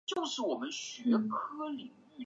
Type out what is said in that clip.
天山假狼毒是瑞香科假狼毒属的植物。